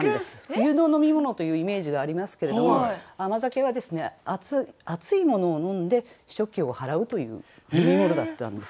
冬の飲み物というイメージがありますけれども甘酒はですね熱いものを飲んで暑気を払うという飲み物だったんです。